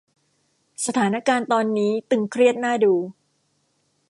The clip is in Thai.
สถานการณ์ตอนนี้ตึงเครียดน่าดู